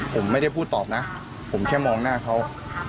ผมไม่ได้พูดตอบนะผมแค่มองหน้าเขา